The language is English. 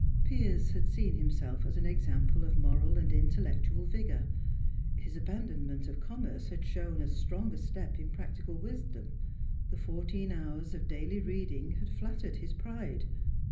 Piers had seen himself as an example of moral and intellectual vigour. His abandonment of commerce had shown as a strong step in practical wisdom; the fourteen hours of daily reading had flattered his pride.